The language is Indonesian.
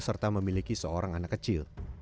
serta memiliki seorang anak kecil